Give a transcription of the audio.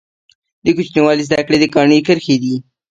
د کوچنیوالي زده کړي د کاڼي کرښي دي.